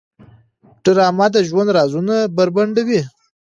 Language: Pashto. ډرامه د ژوند رازونه بربنډوي